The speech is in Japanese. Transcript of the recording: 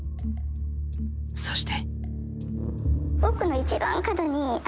そして。